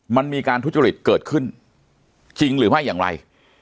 มันมีการทุจริตเกิดขึ้นจริงหรือไม่อย่างไร